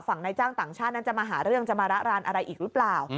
ในจ้างต่างชาตินั้นจะมาหาเรื่องจะมาระรานอะไรอีกหรือเปล่า